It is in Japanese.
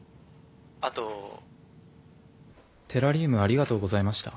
あとテラリウムありがとうございました。